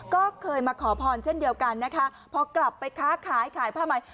ก็เคยมาขอพรเช่นเดียวกันนะคะพอกลับไปค้าขายขายผ้าใหม่